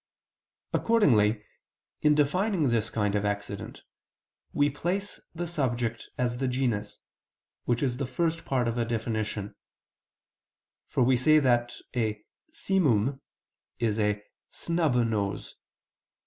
Accordingly in defining this kind of accident, we place the subject as the genus, which is the first part of a definition; for we say that a simum is a "snub nose."